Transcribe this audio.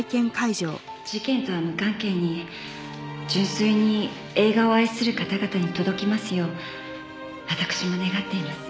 事件とは無関係に純粋に映画を愛する方々に届きますよう私も願っています。